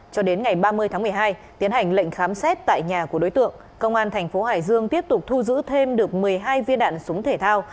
cho đến ngày ba mươi tháng một mươi hai tiến hành lệnh khám xét tại nhà của đối tượng công an thành phố hải dương tiếp tục thu giữ thêm được một mươi hai viên đạn súng thể thao